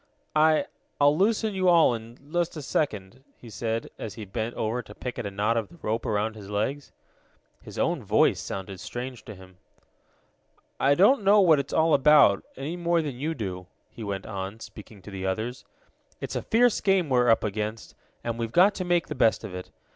"I I'll loosen you all in just a second," he said, as he bent over to pick at the knot of the rope around his legs. His own voice sounded strange to him. "I don't know what it's all about, any more than you do," he went on, speaking to the others. "It's a fierce game we're up against, and we've got to make the best of it.